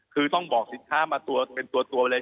คือต้องบอกสิทธิ์ค้ามาเป็นตัวเลย